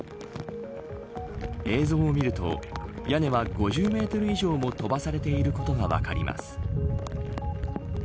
映像を見ると屋根は、５０メートル以上も飛ばされていることが分かります。